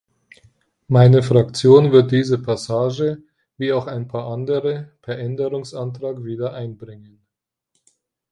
Meine Fraktion wird diese Passage, wie auch ein paar andere, per Änderungsantrag wieder einbringen.